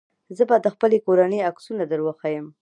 زه به د خپلې کورنۍ عکسونه دروښيم.